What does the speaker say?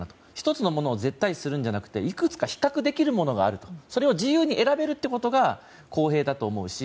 １つのものを絶対視するんじゃなくていくつかのものを比較できてそれを自由に選べるということが公平だと思うし。